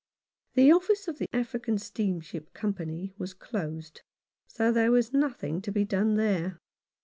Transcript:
The office of the African Steamship Company was closed, so there was nothing to be done there.